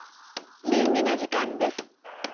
倫理の時間です。